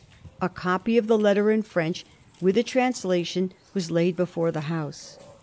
A copy of the letter in French, with a translation, was laid before the House.